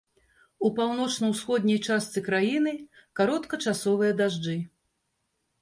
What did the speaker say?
У паўночна-усходняй частцы краіны кароткачасовыя дажджы.